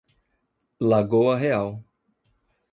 Lagoa Real